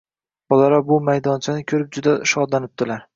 Bolalar bu maydonchani koʻrib juda shodlanibdilar.